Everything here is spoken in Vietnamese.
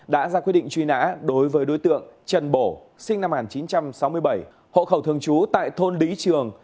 đã ra quyết định truy nã đối với đối tượng trần bổ sinh năm một nghìn chín trăm sáu mươi bảy hộ khẩu thường trú tại thôn lý trường